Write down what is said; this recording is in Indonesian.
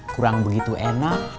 kurang begitu enak